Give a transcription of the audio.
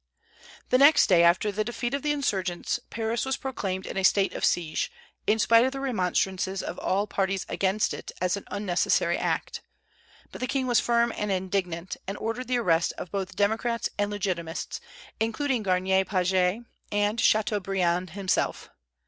The next day after the defeat of the insurgents Paris was proclaimed in a state of siege, in spite of the remonstrances of all parties against it as an unnecessary act; but the king was firm and indignant, and ordered the arrest of both Democrats and Legitimists, including Garnier Pagès and Chateaubriand himself.